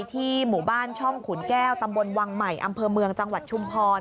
ที่หมู่บ้านช่องขุนแก้วตำบลวังใหม่อำเภอเมืองจังหวัดชุมพร